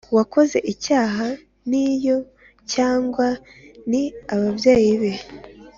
Wakoze Icyaha Ni Uyu Cyangwa Ni Ababyeyi Be